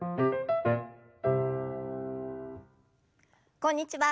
こんにちは